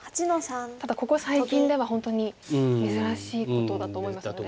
ただここ最近では本当に珍しいことだと思いますので。